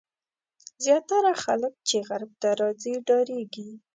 زیاتره خلک چې غرب ته راځي ډارېږي.